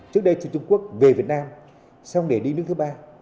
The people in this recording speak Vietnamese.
trước đây thì trung quốc về việt nam xong để đi nước thứ ba